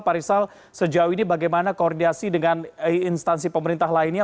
pak rizal sejauh ini bagaimana koordinasi dengan instansi pemerintah lainnya